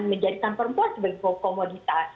menjadikan perempuan sebagai komoditas